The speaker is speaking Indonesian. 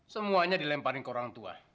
semuanya dilemparin ke orang tua